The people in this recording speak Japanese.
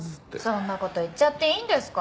そんな事言っちゃっていいんですか？